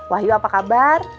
wahyu apa kabar